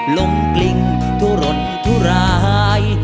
ลมกลิ่นทุรนทุราย